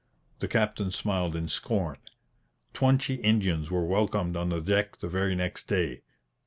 The captain smiled in scorn. Twenty Indians were welcomed on the deck the very next day.